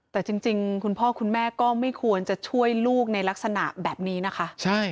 แต่จริงคุณพ่อคุณแม่ก็ไม่ควรจะช่วยลูกในลักษณะแบบนี้นะคะ